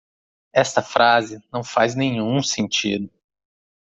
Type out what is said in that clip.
Esta frase não faz nenhum sentido.